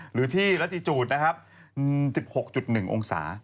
หรือที่ราชิตูต๑๖๑องศา